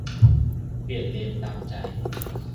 - เปลี่ยนเลนตามใจ